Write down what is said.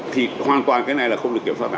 thì hoàn toàn cái này là không được kiểm soát cả